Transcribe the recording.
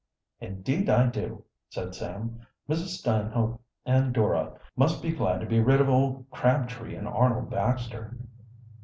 "Indeed I do," said Sam. "Mrs. Stanhope and Dora must be glad to be rid of old Crabtree and Arnold Baxter."